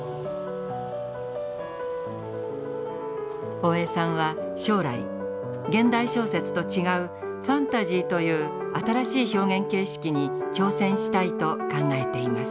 大江さんは将来現代小説と違うファンタジーという新しい表現形式に挑戦したいと考えています。